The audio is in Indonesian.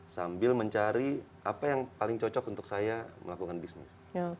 sambil mencari apa yang paling cocok untuk saya melakukan bisnis